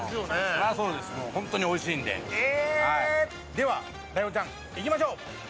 ではライオンちゃん行きましょう。